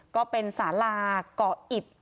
ก็เป็นสาลาเกาะอิด